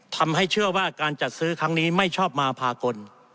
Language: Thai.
ทำให้เชื่อว่าการจัดซื้อครั้งนี้ไม่ชอบมาพากล